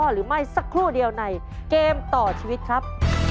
หรือไม่สักครู่เดียวในเกมต่อชีวิตครับ